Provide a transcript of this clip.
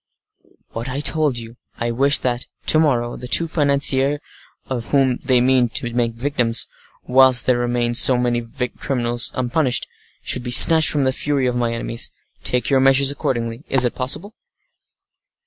"What I told you—I wish that, to morrow, the two financiers of whom they mean to make victims, whilst there remain so many criminals unpunished, should be snatched from the fury of my enemies. Take your measures accordingly. Is it possible?"